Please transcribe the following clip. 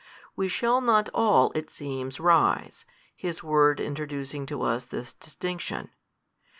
We shall not all, it seems, rise; his word introducing to us this distinction.